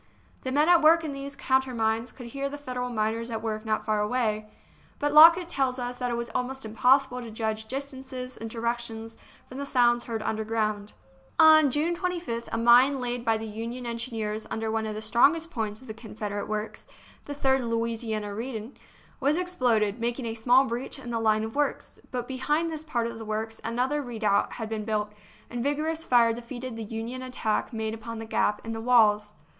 The men at work in these countermines could hear the Federal miners at work not far away, but Lockett tells us that it was almost impossible to judge dis tances and directions from the sounds heard under ground. On June 25th a mine laid by the Union en gineers under one of the strongest points of the Confederate works (the Third Louisiana Redan) was exploded, making a small breach in the line of works. But behind this part of the works another redoubt had been built, and vigorous fire defeated the Union attack made upon the gap in the walls.